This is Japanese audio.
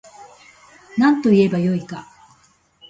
なんといえば良いか